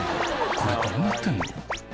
これどうなってんの？」